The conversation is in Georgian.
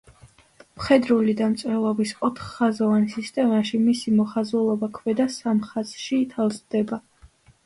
მხედრული დამწერლობის ოთხხაზოვან სისტემაში მისი მოხაზულობა ქვედა სამ ხაზში თავსდება.